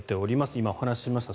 今、お話しました。